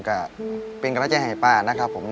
ก็เป็นกำลังใจให้ป้านะครับผม